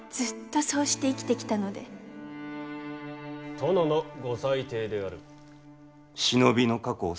殿のご裁定である。